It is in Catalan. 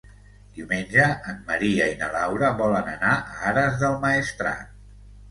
Diumenge en Maria i na Laura volen anar a Ares del Maestrat.